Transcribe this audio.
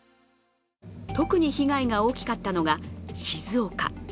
特に被害が大きかったのが静岡。